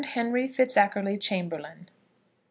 HENRY FITZACKERLEY CHAMBERLAINE.